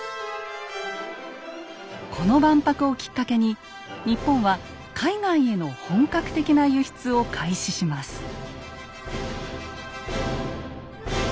この万博をきっかけに日本は海外への本格的な輸出を開始します。